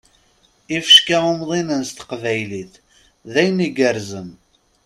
Ifecka umḍinen s teqbaylit, d ayen igerrzen!